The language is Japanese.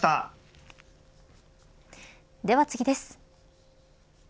では次です。